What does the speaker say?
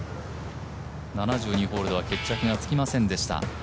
７２ホールでは決着がつきませんでした。